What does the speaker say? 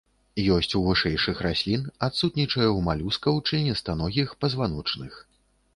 Ёсць у вышэйшых раслін, адсутнічае ў малюскаў, членістаногіх, пазваночных.